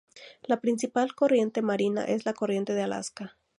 La principal corriente marina es la corriente de Alaska.